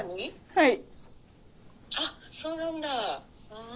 はい。